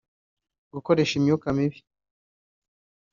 gukoresha imyuka mibi